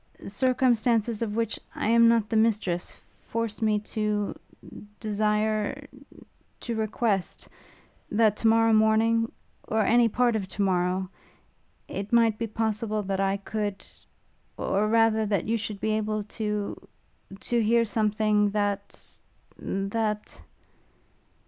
Circumstances of which I am not the mistress, force me to ... desire to request that to morrow morning or any part of to morrow ... it might be possible that I could ... or rather that you should be able to ... to hear something that ... that....'